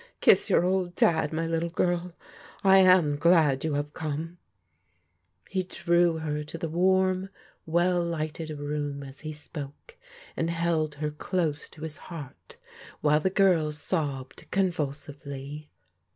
Kiss your old Dad, my little girl! I am glad you have come !" He drew her to the warm, well lighted room as he spoke, and held her close to his heart, while the girl sobbed convulsively.